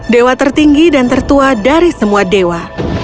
dewa tertinggi dan tertua dari semua dewa